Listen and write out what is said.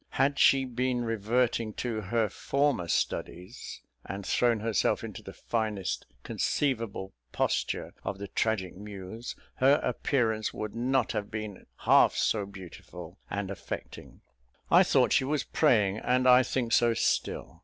Had she been reverting to her former studies, and thrown herself into the finest conceivable posture of the tragic muse, her appearance would not have been half so beautiful and affecting. I thought she was praying, and I think so still.